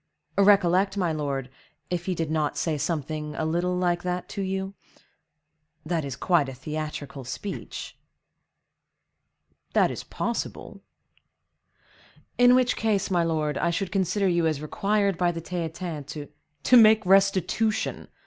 Recollect, my lord, if he did not say something a little like that to you?—that is quite a theatrical speech." "That is possible." "In which case, my lord, I should consider you as required by the Theatin to—" "To make restitution!"